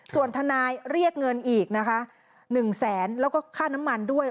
ส่วนทนายเรียกเงินอีกนะคะ๑แสนแล้วก็ค่าน้ำมันด้วย